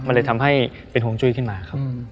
มันเลยทำให้เป็นห่วงจุ้ยขึ้นมาครับ